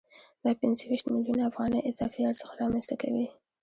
دا پنځه ویشت میلیونه افغانۍ اضافي ارزښت رامنځته کوي